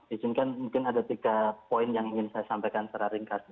izinkan mungkin ada tiga poin yang ingin saya sampaikan secara ringkas